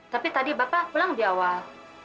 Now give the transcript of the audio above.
tapi tadi bapak pulang di awal